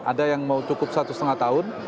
ada yang mau cukup satu setengah tahun